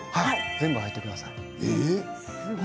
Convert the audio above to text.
全部、入れてください。